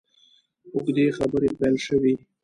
اوږدې خبرې پیل شوې.